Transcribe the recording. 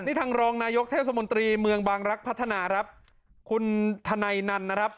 นี่ทางรองนายกเทศมนตรีเมืองบางรักพัฒนา